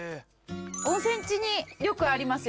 温泉地によくありますよね。